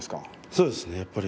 そうですね。